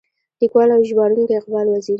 ليکوال او ژباړونکی اقبال وزيري.